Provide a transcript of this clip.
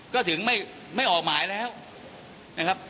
ก็ถึงไม่ออกหมายแล้วนะครับ